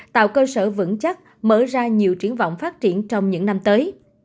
tạo cơ sở vững chắc mở ra nhiều triển vọng phát triển trong những năm tới